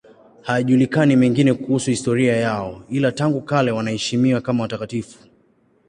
Hayajulikani mengine kuhusu historia yao, ila tangu kale wanaheshimiwa kama watakatifu.